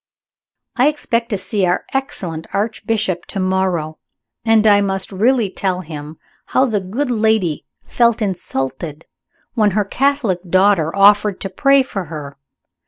I expect to see our excellent Archbishop to morrow, and I must really tell him how the good lady felt insulted when her Catholic daughter offered to pray for her.